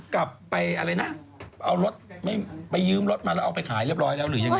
กลับไปอะไรนะเอารถไม่ไปยืมรถมาแล้วเอาไปขายเรียบร้อยแล้วหรือยังไง